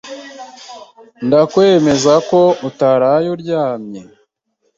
Ndakwemeza ko utaraye uryamye.